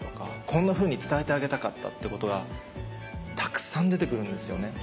こんなふうに伝えてあげたかったってことがたくさん出て来るんですよね。